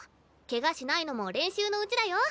ケガしないのも練習のうちだよ？